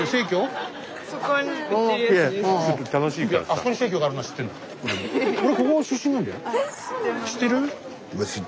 あそこに生協があるのは知ってるの。